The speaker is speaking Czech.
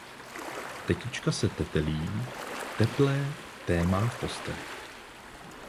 Tetička se tetelí, teplé té má v posteli.